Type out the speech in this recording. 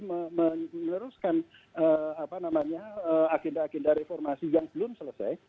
meneruskan agenda agenda reformasi yang belum selesai